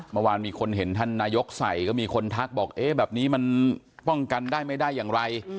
เมื่อวานมีคนเห็นท่านนายกใส่ก็มีคนทักบอกเอ๊ะแบบนี้มันป้องกันได้ไม่ได้อย่างไร